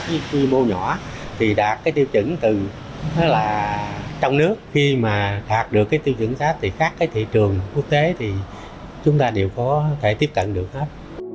khi mô nhỏ thì đạt cái tiêu chuẩn từ trong nước khi mà đạt được cái tiêu chuẩn gap thì khác cái thị trường quốc tế thì chúng ta đều có thể tiếp cận được hết